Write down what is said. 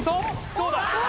どうだ？